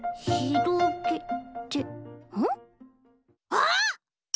あっ！